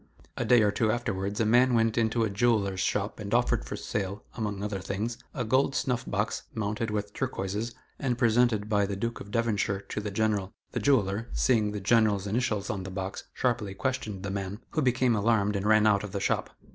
A day or two afterwards a man went into a jeweller's shop and offered for sale, among other things, a gold snuff box, mounted with turquoises, and presented by the Duke of Devonshire to the General. The jeweller, seeing the General's initials on the box, sharply questioned the man, who became alarmed and ran out of the shop.